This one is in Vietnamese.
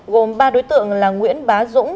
gồm ba đối tượng là nguyễn bá dũng